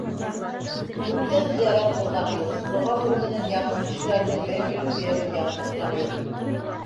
Күптән зыярат ҡылғаны юҡ, доға нуры менән яҡын кешеләренең мәңгелек төйәген яҡтыртҡаны юҡ.